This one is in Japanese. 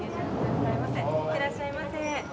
いってらっしゃいませ。